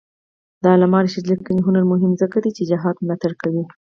د علامه رشاد لیکنی هنر مهم دی ځکه چې جهاد ملاتړ کوي.